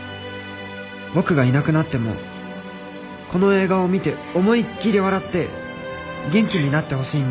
「僕がいなくなってもこの映画を観て思いっきり笑って元気になって欲しいんだ」